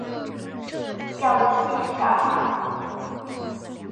想着自己是小孩